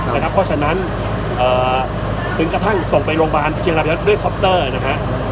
เพราะฉะนั้นถึงกระทั่งส่งไปโรงพยาบาลเชียงรายด้วยคอปเตอร์นะฮะ